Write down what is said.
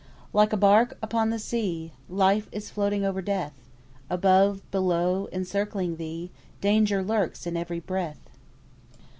"Like a bark upon the sea, Life is floating over death; Above, below, encircling thee, Danger lurks in every breath.